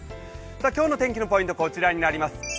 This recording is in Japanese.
今日の天気のポイント、こちらになります。